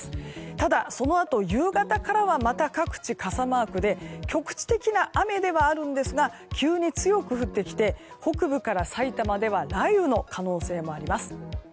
ただ、そのあと夕方からはまた各地で傘マークで局地的な雨ではあるんですが急に強く降ってきて北部から、さいたまでは雷雨の可能性もあります。